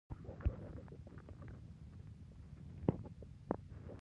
د بلورو په بید یا به، رود د وینو را خوټیږی